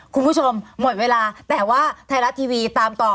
คุณผู้ชมหมดเวลาแต่ว่าไทยรัฐทีวีตามต่อ